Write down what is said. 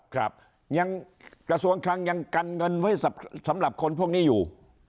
ครับยังกระทรวงคลังยังกันเงินไว้สำหรับคนพวกนี้อยู่